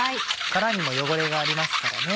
殻にも汚れがありますからね。